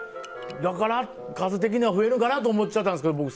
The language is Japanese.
だから、数的には増えるかなって思っちゃったんですけど